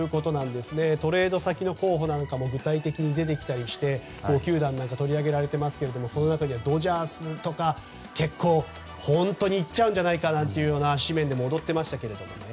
トレード先の候補も具体的に出てきたりして５球団取り上げられたりしてますがその中でドジャースとか結構、本当に行っちゃうんじゃないかなんて紙面でも躍ってましたが。